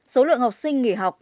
số lượng học sinh nghỉ học